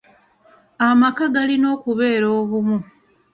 Amaka galina okubeera obumu.